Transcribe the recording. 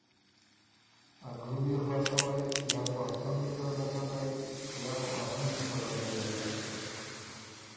ا ګرُوويې خلاصوئ یا بُو ا څُنړيې سره لکنډئ یا بُو ا غُنجی سره ريَئ۔